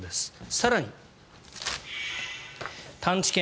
更に、探知犬